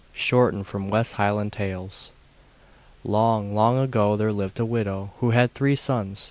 [Shortened from West Highland Tales.] Pinkel the Thief Long, long ago there lived a widow who had three sons.